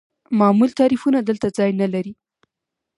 معمول تعریفونه دلته ځای نلري.